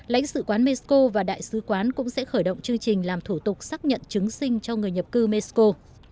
lãnh sự quán mexico và đại sứ quán cũng sẽ khởi động chương trình làm thủ tục xác nhận chứng sinh cho người nhập cư mexico